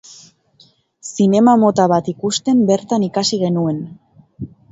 Zinema mota bat ikusten bertan ikasi genuen.